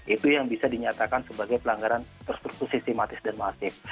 itu yang bisa dinyatakan sebagai pelanggaran terstruktur sistematis dan masif